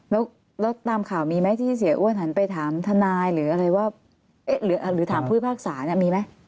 แล้วตามข่าวมีไหมที่เสียอ้วนหันไปถามทนายหรือถามผู้พิพากษามีไหม